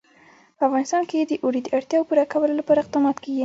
په افغانستان کې د اوړي د اړتیاوو پوره کولو لپاره اقدامات کېږي.